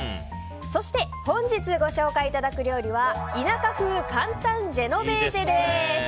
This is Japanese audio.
そして本日ご紹介いただく料理は田舎風簡単ジェノベーゼです。